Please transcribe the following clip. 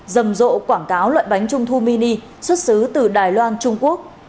rầm rộ quảng cáo loại bánh trung thu mini xuất xứ từ đài loan trung quốc